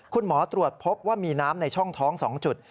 คุณหมอตรวจพบว่ามีน้ำในช่องท้อง๒จุด